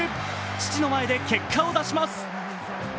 父の前で結果を出します。